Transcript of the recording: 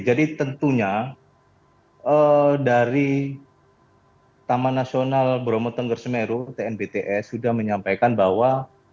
jadi tentunya dari taman nasional bromo tengger semeru tnbts sudah menyampaikan bahwa